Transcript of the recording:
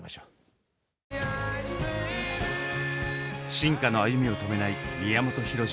進化の歩みを止めない宮本浩次。